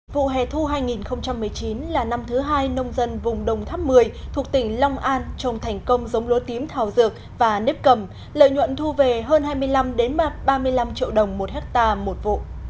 vụ hè thu hai nghìn một mươi chín là năm thứ hai nông dân vùng đồng tháp một mươi thuộc tỉnh long an trồng thành công giống lúa tím thảo dược và nếp cầm lợi nhuận thu về hơn hai mươi năm ba mươi năm triệu đồng một hectare một vụ